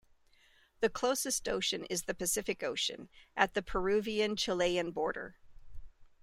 The closest ocean is the Pacific Ocean, at the Peruvian-Chilean border.